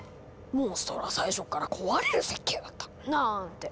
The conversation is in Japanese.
「モンストロは最初から壊れる設計だった」なんて。